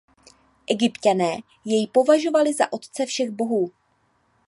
Egypťané jej považovali za otce všech bohů.